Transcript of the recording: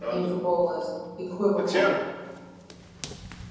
amphibolos, equivocal, (p.